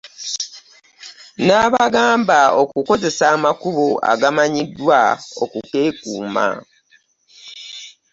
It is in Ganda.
N'abasamba okukozesa amakubo agamanyiddwa okukeekuuma.